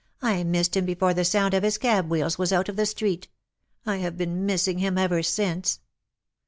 " I missed him before the sound of his cab wheels was out of the street. I have been missing him ever since."